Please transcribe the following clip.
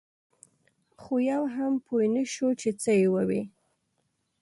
خو یو هم پوی نه شو چې څه یې ووې.